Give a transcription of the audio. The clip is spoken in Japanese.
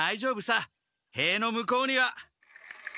へいの向こうには。